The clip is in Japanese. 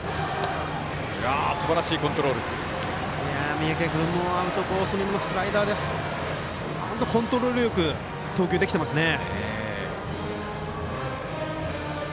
三宅君もアウトコースのスライダーで本当にコントロールよく投球できていますね。